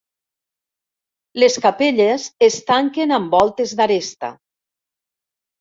Les capelles es tanquen amb voltes d'aresta.